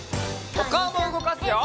おかおもうごかすよ！